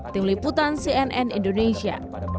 tim liputan cnn indonesia